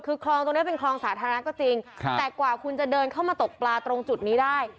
คือคลองตรงนี้เป็นคลองสาธารณะก็จริงแต่กว่าคุณจะเดินเข้ามาตกปลาตรงจุดนี้ได้